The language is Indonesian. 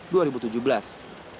dan selama tiga hari